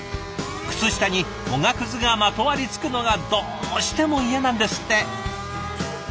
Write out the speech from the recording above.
靴下におがくずがまとわりつくのがどうしても嫌なんですって。